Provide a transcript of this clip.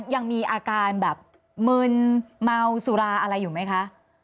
ยังมีอาการแบบมึนเมาสุราอะไรอยู่ไหมคะ